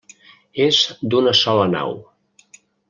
És d'una sola nau.